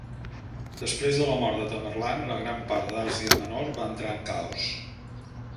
Després de la mort de Tamerlane, la gran part d'Àsia Menor va entrar en caos.